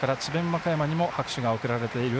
和歌山にも拍手が送られている